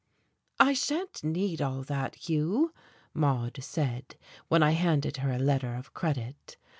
"I shan't need all that, Hugh," Maude said, when I handed her a letter of credit.